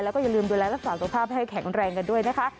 แล้วก็อย่าลืมดูแลรักษาสุขภาพให้แข็งแรงกันด้วยนะคะ